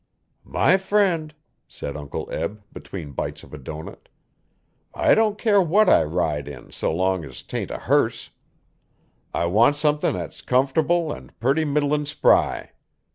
'My friend,' said Uncle Eb, between bites of a doughnut, 'I don' care what I ride in so long as 'tain't a hearse. I want sumthin' at's comfortable an' purty middlin' spry.